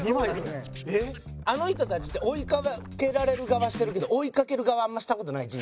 あの人たちって追いかけられる側してるけど追いかける側あんまりした事ない人生。